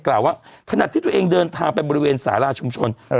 กล่าวว่าขณะที่ตัวเองเดินทางไปบริเวณสาราชุมชน